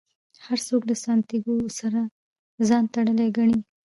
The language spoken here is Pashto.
هر څوک له سانتیاګو سره ځان تړلی ګڼي.